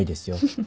フフ。